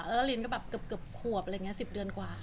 แล้วอลินก็แบบเกือบขวบ๑๐เดือนกว่าค่ะ